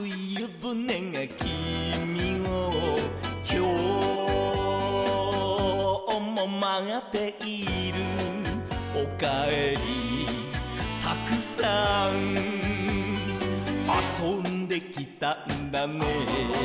「きょうもまっている」「おかえりたくさん」「あそんできたんだね」